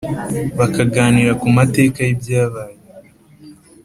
bakaganira ku mateka y’ibyabaye